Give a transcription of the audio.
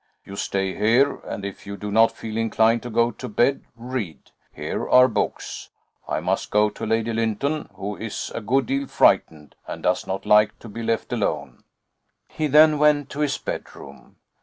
You stay here, and if you do not feel inclined to go to bed, read here are books. I must go to Lady Lynton, who is a good deal frightened, and does not like to be left alone." He then went to his bedroom.